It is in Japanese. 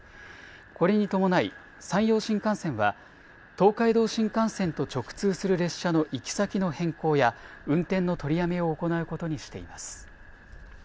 これに伴い山陽新幹線は東海道新幹線と直通する列車の行き先の変更や運転の取りやめを行うことにしています。